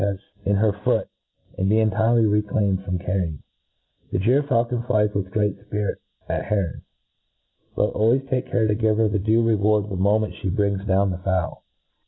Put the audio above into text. is in her foot, and be entirely reclaimed from carrying. . The gy'r faulcon flies with great fpirit at he ron ; but always take care to give her the due reward the moment fhe brings down the fowl.